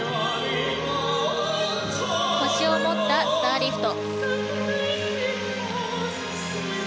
腰を持ったスターリフト。